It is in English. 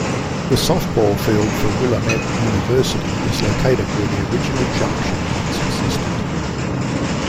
The softball field for Willamette University is located where the original junction once existed.